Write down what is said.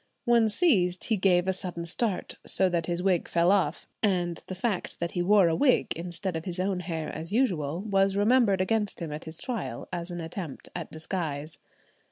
When seized he gave a sudden start, so that his wig fell off, and the fact that he wore a wig, instead of his own hair as usual, was remembered against him at his trial, as an attempt at disguise.